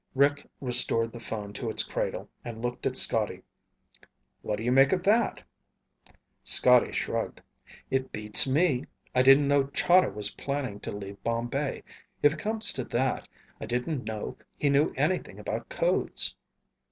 Rick restored the phone to its cradle and looked at Scotty. "What do you make of that?" Scotty shrugged. "It beats me. I didn't know Chahda was planning to leave Bombay. If it comes to that, I didn't know he knew anything about codes."